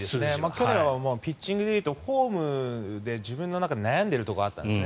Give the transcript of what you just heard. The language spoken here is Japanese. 去年はピッチングで言うとフォームで自分の中で悩んでいるところがあったんです。